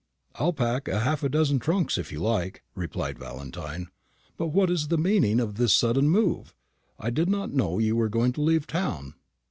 "I'll pack half a dozen trunks if you like," replied Valentine. "But what is the meaning of this sudden move? I did not know you were going to leave town."